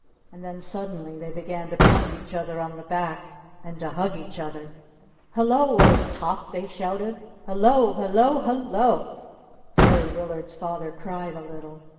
And then suddenly they began to pound each other on the back and to hug each other. "Hello, old top!" they shouted. "Hello hello hello!" Derry Willard's father cried a little.